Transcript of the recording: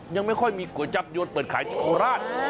ยังไม่ค่อยมีก๋วยจับยวนเปิดขายที่โคราช